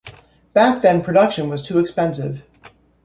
Back then production was too expensive.